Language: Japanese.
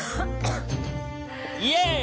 イエーイ！